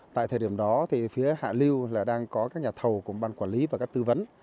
tại thời điểm đó phía hạ lưu đang có các nhà thầu cùng bàn quản lý và các tư vấn